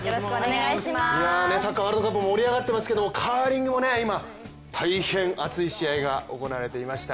サッカーワールドカップも盛り上がっていますけどもカーリングもね、今大変熱い試合が行われていました。